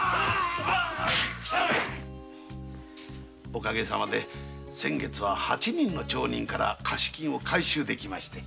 お陰様で先月は八人の町人から貸し金を回収できました。